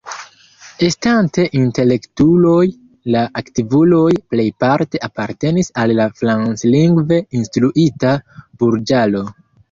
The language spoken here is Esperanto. Estante intelektuloj, la aktivuloj plejparte apartenis al la franclingve instruita burĝaro.